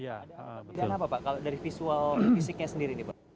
ada perbedaan apa pak dari visual fisiknya sendiri nih pak